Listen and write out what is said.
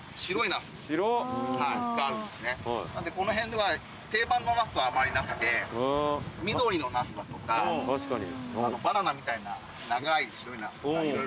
なのでこの辺は定番のナスはあまりなくて緑のナスだとかバナナみたいな長い白いナスとか色々。